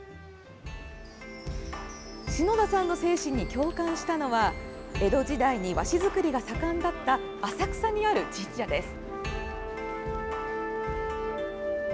篠田さんの精神に共感したのは江戸時代に和紙作りが盛んだった浅草にある神社です。